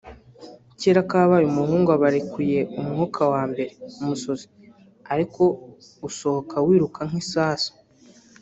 Kera kabaye umuhungu aba arekuye umwuka wa mbere (umusuzi) ariko usohoka wiruka nk'isasu